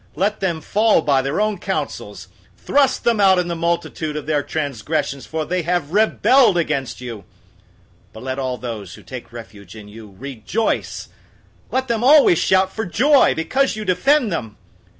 Let them fall by their own counsels; Thrust them out in the multitude of their transgressions, for they have rebelled against you. 005:011 But let all those who take refuge in you rejoice, Let them always shout for joy, because you defend them.